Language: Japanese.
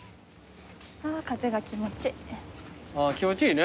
あぁ風が気持ちいい。